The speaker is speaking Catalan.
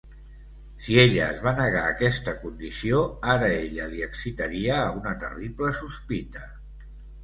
Si ella es va negar aquesta condició ara ella li excitaria a una terrible sospita.